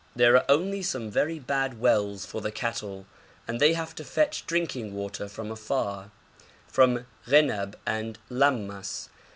There are only some very bad wells for the cattle, and they have to fetch drinking water from afar, from Ghenab and Lammas.